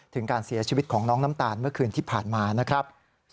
ถึงการเสียชีวิตของน้องน้ำตาลเมื่อคืนที่ผ่านมานะครับ